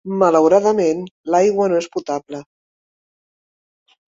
Malauradament, l'aigua no és potable.